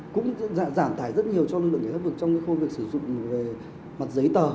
cũng giảm tải rất nhiều cho lực lượng người thân vực trong khu vực sử dụng về mặt giấy tờ